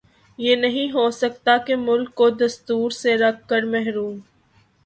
یہ نہیں ہو سکتا کہ ملک کو دستور سےرکھ کر محروم